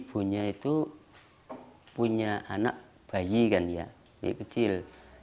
ibunya itu punya anak bayi kan ya bayi kecil